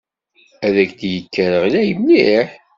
Ad k-d-yekker ɣlay mliḥ.